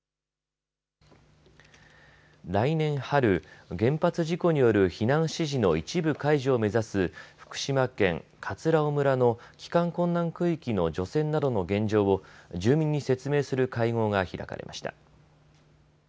来年春、原発事故による避難指示の一部解除を目指す福島県葛尾村の帰還困難区域の除染などの現状を住民に説明する会合が開かれました。